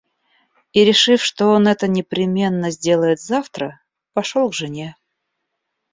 И, решив, что он это непременно сделает завтра, пошел к жене.